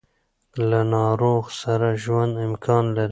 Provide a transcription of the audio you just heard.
له ناروغ سره ژوند امکان لري.